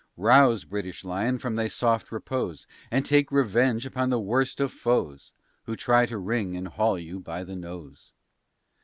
Rouse, British Lion, from thy soft repose, And take revenge upon the worst of foes, Who try to ring and hawl you by the nose.